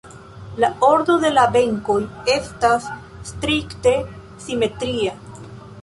La ordo de la benkoj estas strikte simetria.